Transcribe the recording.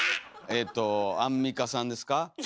えとアンミカさんですか？